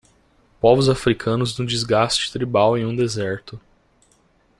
Povos africanos no desgaste tribal em um deserto.